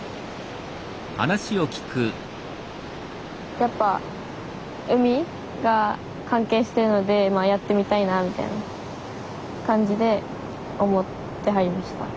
やっぱ海が関係してるのでやってみたいなみたいな感じで思って入りました。